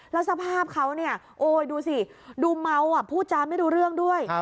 แล้วสภาพเขาดูเมาพูดจ้าไม่รู้เรื่องด้วย